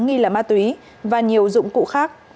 nghi là ma túy và nhiều dụng cụ khác